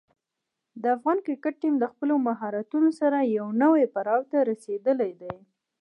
د افغان کرکټ ټیم د خپلو مهارتونو سره یوه نوې پړاو ته رسېدلی دی.